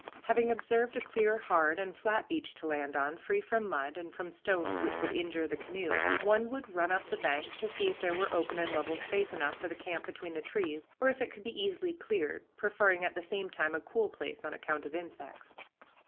Having observed a clear, hard, and flat beach to land on, free from mud, and from stones which would injure the canoe, one would run up the bank to see if there were open and level space enough for the camp between the trees, or if it could be easily cleared, preferring at the same time a cool place, on account of insects.